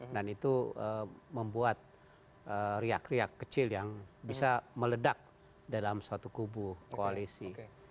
dan itu membuat riak riak kecil yang bisa meledak dalam suatu kubu koalisi